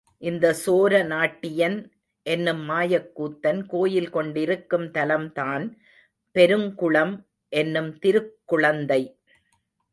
இந்த சோர நாட்டியன் என்னும் மாயக் கூத்தன் கோயில் கொண்டிருக்கும் தலம்தான் பெருங்குளம் என்னும் திருக் குளந்தை.